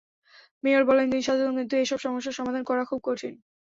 Mayor বললেন, তিনি সচেতন, কিন্তু এসব সমস্যার সমাধান করা খুব কঠিন।